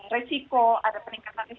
risiko ada peningkatan risiko